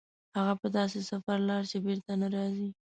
هغه په داسې سفر لاړ چې بېرته نه راګرځي.